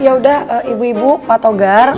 ya udah ibu ibu pak togar